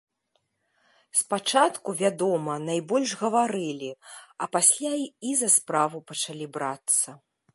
Спачатку, вядома, найбольш гаварылі, а пасля і за справу пачалі брацца.